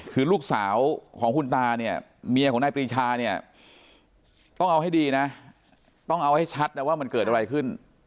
คือลูกสาวของคุณตาเนี่ยเมียของนายปรีชาเนี่ยต้องเอาให้ดีนะต้องเอาให้ชัดนะว่ามันเกิดอะไรขึ้น